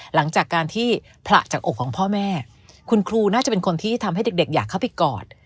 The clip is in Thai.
หลังจากการที่ผละจากอกของพ่อแม่คุณครูน่าจะเป็นคนที่ทำให้เด็กอยากเข้าไปกอด